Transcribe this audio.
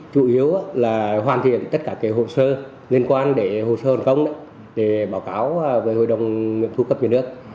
chủ yếu là hoàn thiện tất cả cái hồ sơ liên quan để hồ sơ hoàn công để báo cáo về hội đồng thu cấp về nước